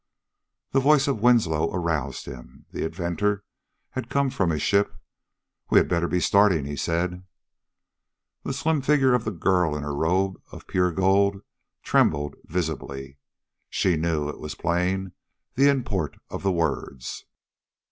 The voice of Winslow aroused him. The inventor had come from his ship. "We had better be starting," he said. The slim figure of the girl in her robe of pure gold trembled visibly. She knew, it was plain, the import of the words.